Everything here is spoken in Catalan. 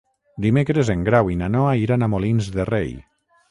Dimecres en Grau i na Noa iran a Molins de Rei.